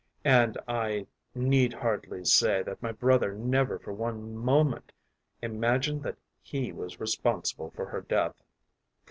And I need hardly say that my brother never for one moment imagined that he was responsible for her death.